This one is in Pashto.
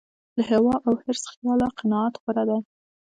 له هوا او حرص خیاله قناعت غوره دی.